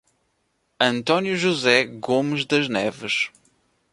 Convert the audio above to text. Antônio José Gomes Das Neves